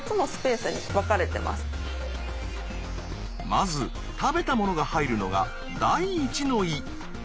まず食べたものが入るのが第一の胃。